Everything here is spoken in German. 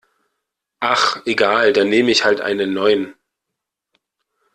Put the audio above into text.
Ach egal, dann nehme ich halt einen neuen.